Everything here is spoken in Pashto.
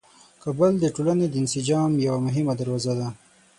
کابل د ټولنې د انسجام یوه مهمه دروازه ده.